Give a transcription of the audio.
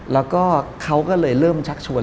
แล้วก็เขาก็เลยเริ่มชักชวน